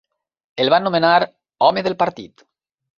El van nomenar Home del partit.